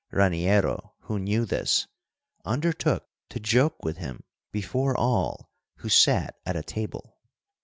Raniero, who knew this, undertook to joke with him before all who sat at a table.